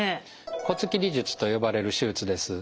骨切り術と呼ばれる手術です。